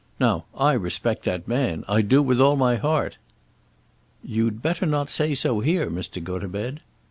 Now I respect that man; I do with all my heart." "You'd better not say so here, Mr. Gotobed."